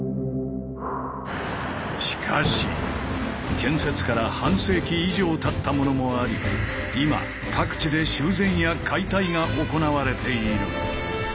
しかし建設から半世紀以上たったものもあり今各地で修繕や解体が行われている。